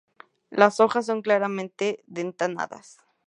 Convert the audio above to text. Las hojas son claramente dentadas.